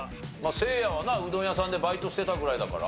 せいやはなうどん屋さんでバイトしてたぐらいだから。